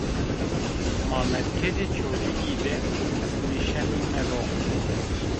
Ma merkezê Çewlîgî de nişenîme ro